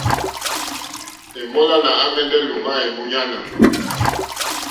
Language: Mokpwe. Èmólánà àmɛ́ndɛ́ ō ŋwá èmúɲánà.